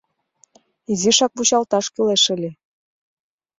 — Изишак вучалташ кӱлеш ыле.